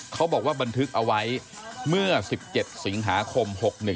เขาบอกว่าบันทึกเอาไว้เมื่อ๑๗สิงหาคม๖๑